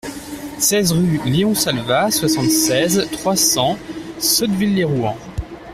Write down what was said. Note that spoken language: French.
seize rue Léon Salva, soixante-seize, trois cents, Sotteville-lès-Rouen